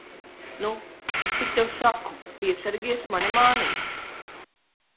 Nu, es tik tev saku, piesargies mani mānīt!